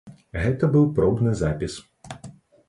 Гэта быў пробны запіс.